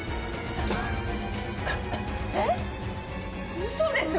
ウソでしょ！？